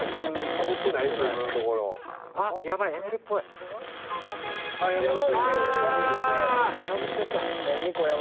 かぶっちゃった。